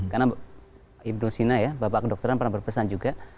karena ibnu sina ya bapak kedokteran pernah berpesan juga